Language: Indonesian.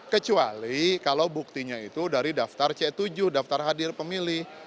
kecuali kalau buktinya itu dari daftar c tujuh daftar hadir pemilih